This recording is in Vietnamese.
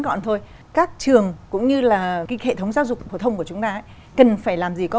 gọn thôi các trường cũng như là hệ thống giáo dục phổ thông của chúng ta cần phải làm gì có